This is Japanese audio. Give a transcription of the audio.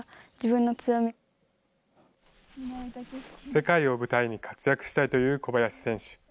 世界を舞台に活躍したいという小林選手。